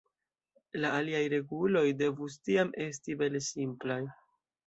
La aliaj reguloj devus tiam esti bele simplaj.